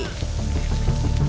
ketugas memadamkan api